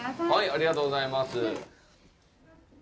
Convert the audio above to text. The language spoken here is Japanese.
ありがとうございます。